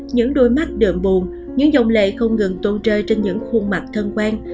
những đôi mắt đượm buồn những dòng lệ không ngừng tuôn trơi trên những khuôn mặt thân quan